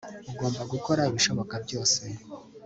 Ugomba gukora ibishoboka byose